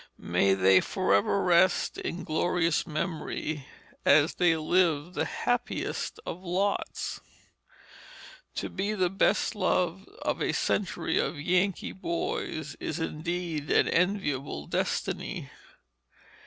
May they forever rest in glorious memory, as they lived the happiest of lots! To be the best beloved of a century of Yankee boys is indeed an enviable destiny.